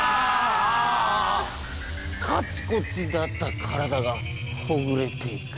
カチコチだった体がほぐれていく。